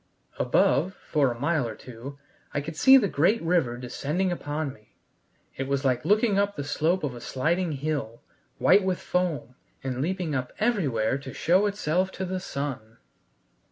Above, for a mile or two, I could see the great river descending upon me: it was like looking up the slope of a sliding hill, white with foam, and leaping up everywhere to show itself to the sun.